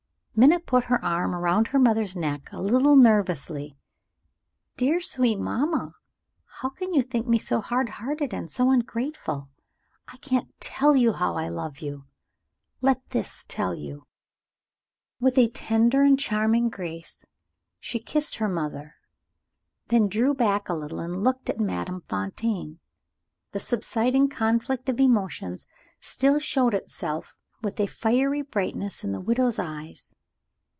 Minna put her arm round her mother's neck a little nervously. "Dear, sweet mamma, how can you think me so hard hearted and so ungrateful? I can't tell you how I love you! Let this tell you." With a tender and charming grace, she kissed her mother then drew back a little and looked at Madame Fontaine. The subsiding conflict of emotions still showed itself with a fiery brightness in the widow's eyes.